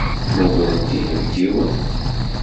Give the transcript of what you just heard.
Mmugrent inebgiwen.